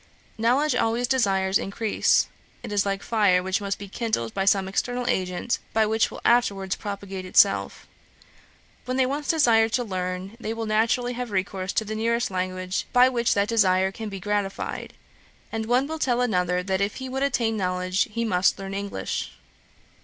Knowledge always desires increase: it is like fire, which must first be kindled by some external agent, but which will afterwards propagate itself. When they once desire to learn, they will naturally have recourse to the nearest language by which that desire can be gratified; and one will tell another that if he would attain knowledge, he must learn English.